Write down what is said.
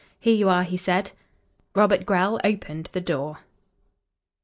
"Here you are," he said. Robert Grell opened the door.